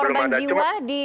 atau korban jiwa di